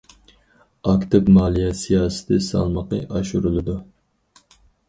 ئاكتىپ مالىيە سىياسىتى سالمىقى ئاشۇرۇلىدۇ.